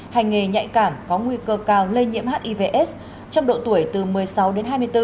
hành nghề nhạy cảm có nguy cơ cao lây nhiễm hivs trong độ tuổi từ một mươi sáu đến hai mươi bốn